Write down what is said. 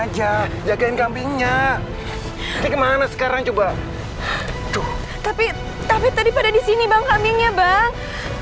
ya jagain kambingnya kemana sekarang coba tapi tapi tadi pada disini bang kambingnya bang